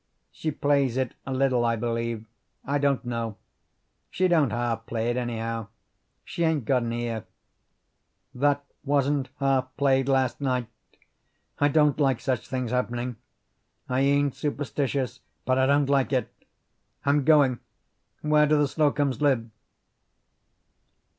She plays it a little, I believe. I don't know. She don't half play it, anyhow; she ain't got an ear." "That wasn't half played last night. I don't like such things happening. I ain't superstitious, but I don't like it. I'm going. Where do the Slocums live?"